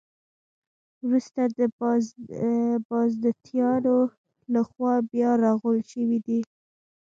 وروسته د بازنطینانو له خوا بیا رغول شوې دي.